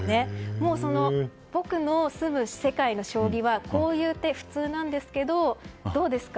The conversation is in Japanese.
もう、僕の住む世界の将棋はこういう手、普通なんですけどどうですか？